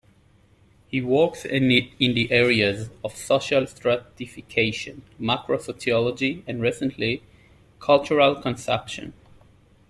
He works in the areas of social stratification, macrosociology, and recently cultural consumption.